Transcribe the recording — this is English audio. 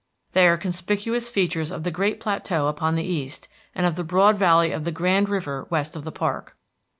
They are conspicuous features of the great plateau upon the east, and of the broad valley of the Grand River west of the park.